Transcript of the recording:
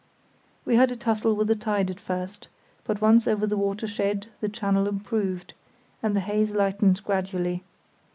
We had a tussle with the tide at first, but once over the watershed the channel improved, and the haze lightened gradually.